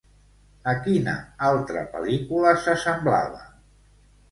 A quina altra pel·lícula s'assemblava?